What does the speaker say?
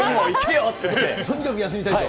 とにかく休みたいと。